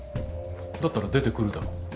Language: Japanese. だったら出てくるだろ。